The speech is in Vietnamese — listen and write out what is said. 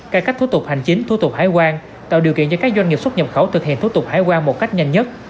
cải cách thủ tục hành chính thu tục hải quan tạo điều kiện cho các doanh nghiệp xuất nhập khẩu thực hiện thủ tục hải quan một cách nhanh nhất